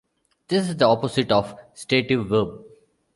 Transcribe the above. This is the opposite of a stative verb.